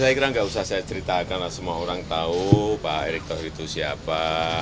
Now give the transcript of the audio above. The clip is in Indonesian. ya saya kira gak usah saya ceritakan lah semua orang tahu pak erick tahir itu siapa